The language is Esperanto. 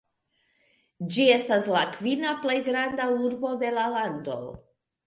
Ĝi estas la kvina plej granda urbo de la lando.